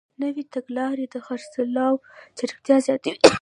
نوې تګلارې د خرڅلاو چټکتیا زیاتوي.